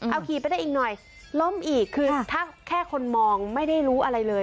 เอาขี่ไปได้อีกหน่อยล้มอีกคือถ้าแค่คนมองไม่ได้รู้อะไรเลย